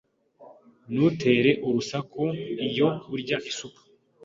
Ntutere urusaku iyo urya isupu.